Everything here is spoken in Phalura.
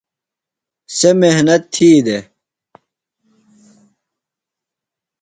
سےۡ محنت تھی دےۡ۔